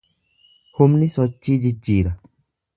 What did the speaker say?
Humni sochii jijjiira.